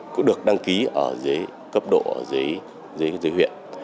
cũng được đăng ký ở dưới cấp độ giấy huyện